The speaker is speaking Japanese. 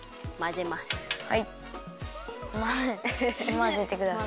まぜてください。